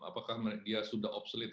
apakah dia sudah obsolete